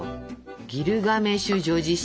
「ギルガメシュ叙事詩」。